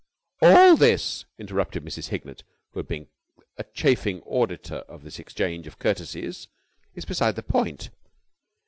"All this," interrupted Mrs. Hignett, who had been a chafing auditor of this interchange of courtesies, "is beside the point.